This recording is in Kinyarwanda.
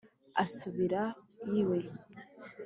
asubira iwe